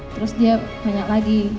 terus dia tanya lagi